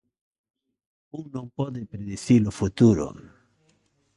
Un non pode predicir o futuro.